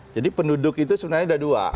jadi penduduk itu sebenarnya ada dua